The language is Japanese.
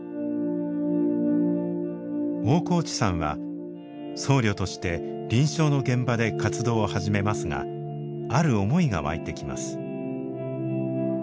大河内さんは僧侶として臨床の現場で活動を始めますがある思いが湧いてきます。